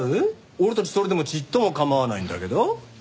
俺たちそれでもちっとも構わないんだけど。